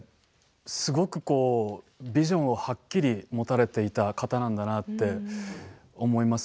すごく、こうビジョンをはっきり持たれていた方なんだなって思いますね。